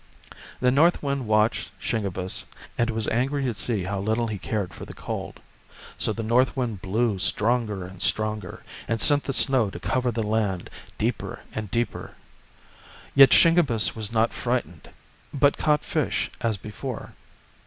The North Wind watched Shingebiss, and was angry to see how little he cared for the cold, so the North Wind blew stronger and stronger, and sent the snow to cover the land deeper and deeper. Yet Shingebiss was not frightened, but caught fish as before.